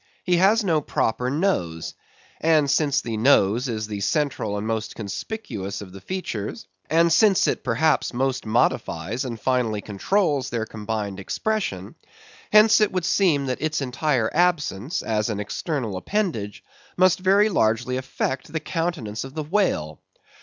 He has no proper nose. And since the nose is the central and most conspicuous of the features; and since it perhaps most modifies and finally controls their combined expression; hence it would seem that its entire absence, as an external appendage, must very largely affect the countenance of the whale.